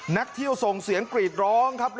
นักเที่ยวส่งเสียงกรีดร้องครับ